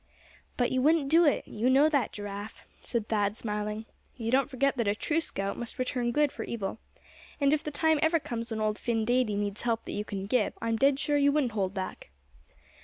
"But you wouldn't do it, you know that, Giraffe," said Thad, smiling. "You don't forget that a true scout must return good for evil. And if the time ever comes when old Phin Dady needs help that you can give, I'm dead sure you wouldn't hold back."